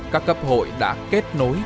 các cấp hội đã kết nối